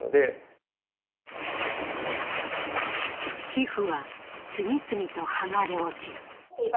皮膚は次々と剥がれ落ちる。